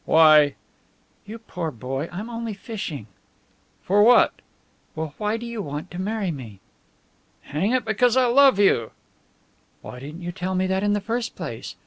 "Why " "You poor boy! I'm only fishing." "For what?" "Well, why do you want to marry me?" "Hang it, because I love you!" "Why didn't you tell me that in the first place?